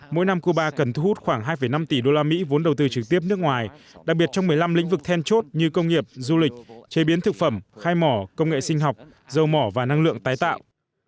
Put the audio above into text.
mỗi năm cuba cần thu hút khoảng hai năm tỷ usd vốn đầu tư trực tiếp nước ngoài đặc biệt trong một mươi năm lĩnh vực then chốt như công nghiệp du lịch chế biến thực phẩm khai mỏ công nghệ sinh học dầu mỏ và năng lượng tái tạo